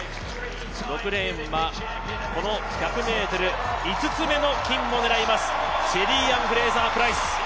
６レーンは、この１００ｍ５つ目の金を狙います、シェリーアン・フレイザー・プライス。